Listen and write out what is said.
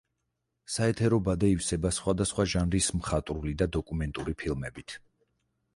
საეთერო ბადე ივსება სხვადასხვა ჟანრის მხატვრული და დოკუმენტური ფილმებით.